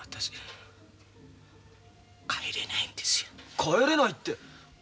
帰れないって？